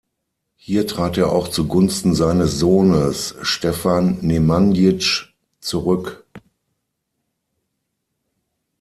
Hier trat er auch zugunsten seines Sohnes Stefan Nemanjić zurück.